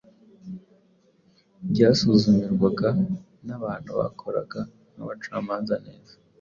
byasuzumirwaga n’abantu bakoraga nk’abacamanza neza